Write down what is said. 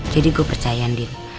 jadi gue percaya andin